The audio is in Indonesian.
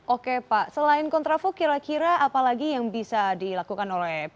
oke pak selain kontra flow kira kira apa lagi yang bisa dilakukan